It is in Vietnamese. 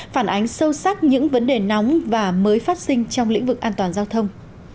phản ánh sâu sắc những vấn đề nóng và mới phát sinh trong lĩnh vực an toàn giao thông